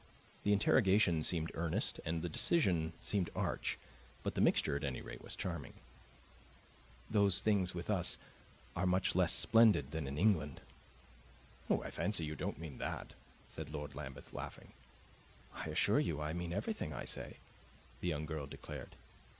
The interrogation seemed earnest and the decision seemed arch; but the mixture, at any rate, was charming. "Those things, with us, are much less splendid than in England." "I fancy you don't mean that," said Lord Lambeth, laughing. "I assure you I mean everything I say," the young girl declared.